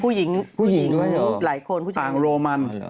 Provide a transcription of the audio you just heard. ผู้หญิงหลายคนอ่างโรมัน